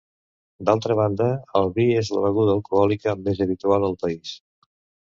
D'altra banda, el vi és la beguda alcohòlica més habitual al país.